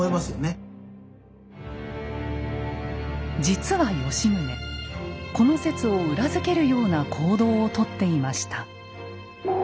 実は吉宗この説を裏付けるような行動をとっていました。